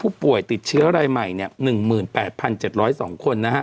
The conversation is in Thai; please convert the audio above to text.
ผู้ป่วยติดเชื้อรายใหม่เนี่ย๑๘๗๐๒คนนะฮะ